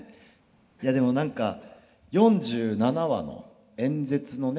いやでも何か４７話の演説のね